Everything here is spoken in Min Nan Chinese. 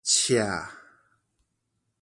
刺